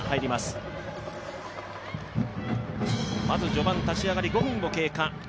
まず序盤、立ち上がり５分を経過。